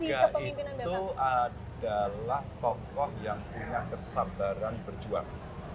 tiga itu adalah tokoh yang punya kesabaran berjuang